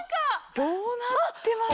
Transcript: どうなってます？